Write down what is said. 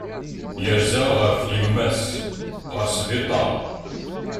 Yerza ɣef yemma-s ɣer sbiṭar.